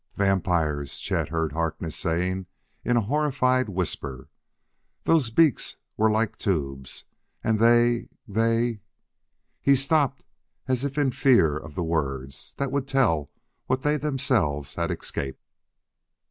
"Vampires!" Chet heard Harkness saying in a horrified whisper. "Those beaks that were like tubes! And they they " He stopped as if in fear of the words that would tell what they themselves had escaped.